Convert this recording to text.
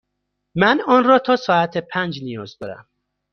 من آن را تا ساعت پنج نیاز دارم.